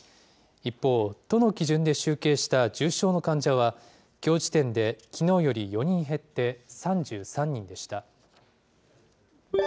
一方、都の基準で集計した重症の患者は、きょう時点できのうより４人減って３３人でした。